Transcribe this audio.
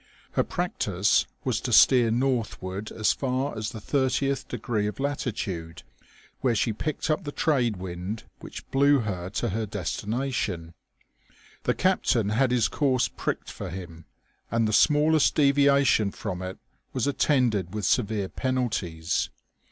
Her practice was to steer north ward as far as the 80th degree of latitude, where she picked up the trade wind which blew her to her desti nation. The captain had his course pricked for him, and the smallest deviation from it was attended with severe penalties.